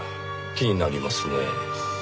気になりますねぇ。